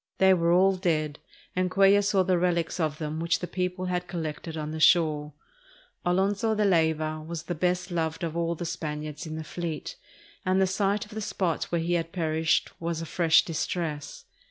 They were all dead, and Cuellar saw the relics of them which the people had collected on the shore. Alonzo de Layva was the best loved of all the Spaniards in the fleet, and the sight of the spot where he had perished was a fresh distress.